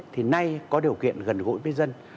thì nay có điều kiện gần gũi với dân